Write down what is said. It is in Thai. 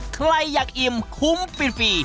ใครอยากอิ่มคุ้มฟรี